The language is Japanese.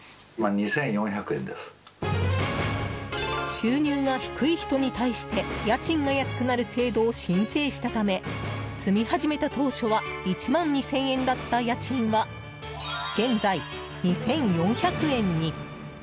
収入が低い人に対して、家賃が安くなる制度を申請したため住み始めた当初は１万２０００円だった家賃は現在、２４００円に。